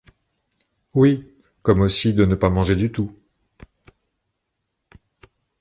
Oui, comme aussi de ne pas manger du tout…